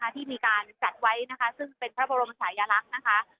ที่มีการจัดไว้ซึ่งเป็นพระบรมศัยลักษณ์